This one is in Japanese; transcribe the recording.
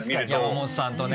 山本さんとね。